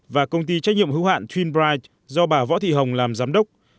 và công ty trách nhiệm hữu hạn twin bright do bà võ thị hồng làm giám đốc